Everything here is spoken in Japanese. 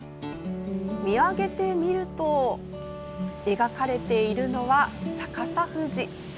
見上げてみると描かれているのは逆さ富士。